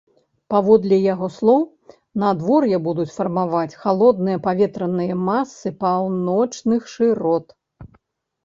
Паводле яго слоў, надвор'е будуць фармаваць халодныя паветраныя масы паўночных шырот.